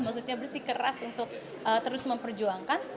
maksudnya bersih keras untuk terus memperjuangkan